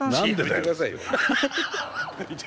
やめてくださいよ。